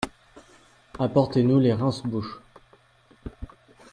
Apportez-nous les rince-bouche.